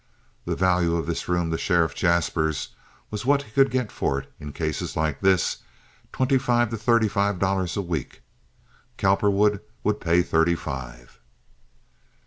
The value of this room to Sheriff Jaspers was what he could get for it in cases like this—twenty five to thirty five dollars a week. Cowperwood would pay thirty five.